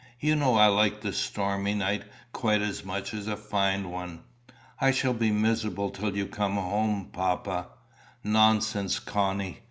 You know I like a stormy night quite as much as a fine one." "I shall be miserable till you come home, papa." "Nonsense, Connie.